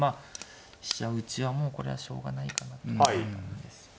飛車打ちはもうこれはしょうがないかなと思ったんですけど。